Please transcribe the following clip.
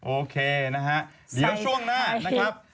โอเคนะฮะเดี๋ยวช่วงหน้านะครับ